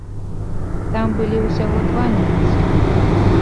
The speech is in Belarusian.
Там былі ўсяго два немцы.